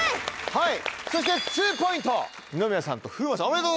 はい。